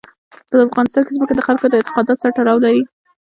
په افغانستان کې ځمکه د خلکو د اعتقاداتو سره تړاو لري.